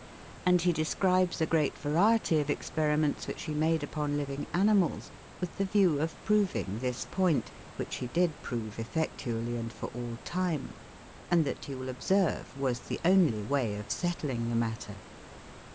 And he describes a great variety of experiments which he made upon living animals with the view of proving this point, which he did prove effectually and for all time; and that you will observe was the only way of settling the matter.